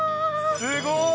すごい。